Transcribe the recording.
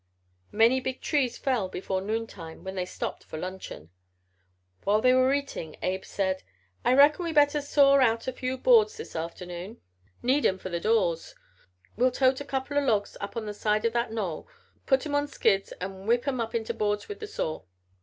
Many big trees fell before noontime when they stopped for luncheon. While they were eating Abe said: "I reckon we better saw out a few boards this afternoon. Need 'em for the doors. We'll tote a couple of logs up on the side o' that knoll, put 'em on skids an' whip 'em up into boards with the saw."